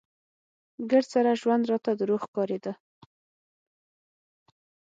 ګرد سره ژوند راته دروغ ښکارېده.